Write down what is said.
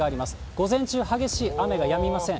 午前中、激しい雨がやみません。